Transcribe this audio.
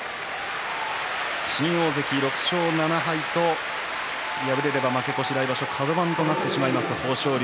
新大関６勝７敗と敗れれば負け越し来場所、カド番となってしまいます